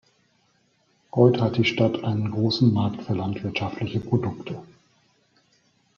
Heute hat die Stadt einen großen Markt für landwirtschaftliche Produkte.